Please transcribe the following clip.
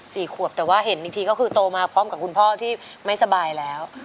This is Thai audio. ขวบแต่ว่าเห็นอีกทีก็คือโตมาพร้อมกับคุณพ่อที่ไม่สบายแล้ว